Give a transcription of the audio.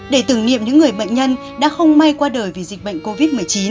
để tưởng niệm những người bệnh nhân đã không may qua đời vì dịch bệnh covid một mươi chín